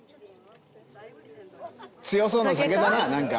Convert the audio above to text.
強そうな酒だな何か。